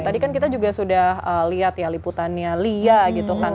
tadi kan kita juga sudah lihat ya liputannya lia gitu kan